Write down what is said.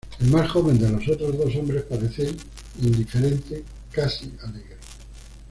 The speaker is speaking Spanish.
El más joven de los otros dos hombres parece indiferente, casi alegre.